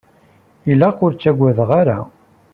Ilaq ur tettaggadeḍ ara.